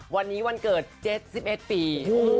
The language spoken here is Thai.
วันนี้วันเกิด๗๑ปี